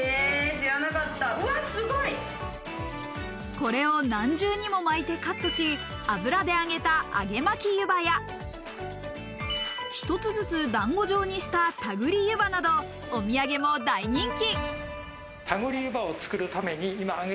これを何重にもまいてカットし、油で揚げた揚巻ゆばや、一つずつ団子状にした、たぐりゆばなど、お土産も大人気。